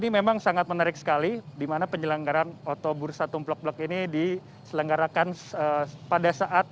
memang sangat menarik sekali dimana penyelenggaran otobursa tumpulok tumpulok ini diselenggarakan pada saat